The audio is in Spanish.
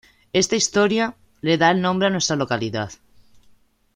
Esta historia, le da el nombre a nuestra localidad.